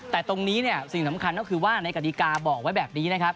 แต่ตรงนี้เนี่ยสิ่งสำคัญก็คือว่าในกฎิกาบอกไว้แบบนี้นะครับ